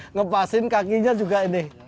ngepasin kakinya juga ini